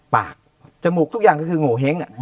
ปากจมูกทุกอย่างก็คือโงเห้ง